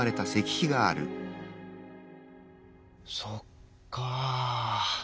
そっか。